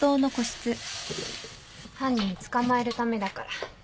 犯人捕まえるためだから。